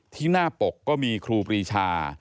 ที่หน้าปกก็มีครูปรีชา